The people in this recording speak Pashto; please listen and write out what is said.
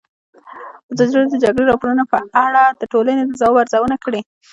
ازادي راډیو د د جګړې راپورونه په اړه د ټولنې د ځواب ارزونه کړې.